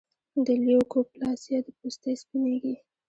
د لیوکوپلاسیا د پوستې سپینېږي.